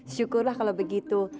syukurlah kalo begitu